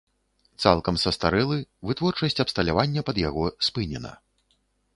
Цалкам састарэлы, вытворчасць абсталявання пад яго спынена.